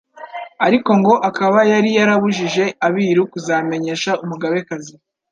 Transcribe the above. ariko ngo akaba yari yarabujije abiru kuzamenyesha umugabekazi